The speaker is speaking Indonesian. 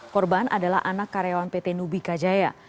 korban adalah anak karyawan pt nubika jaya